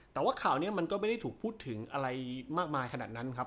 แต่ว่าข่าวนี้มันก็ไม่ได้ถูกพูดถึงอะไรมากมายขนาดนั้นครับ